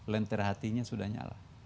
lenter hatinya sudah nyala